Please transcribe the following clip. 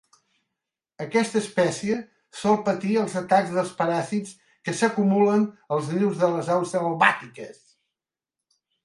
Aquesta espècie sol patir els atacs dels paràsits que s"acumulen als nius de les aus selvàtiques.